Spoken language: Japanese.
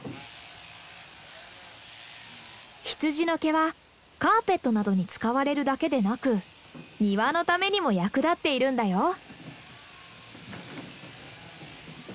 羊の毛はカーペットなどに使われるだけでなく庭のためにも役立っているんだよ。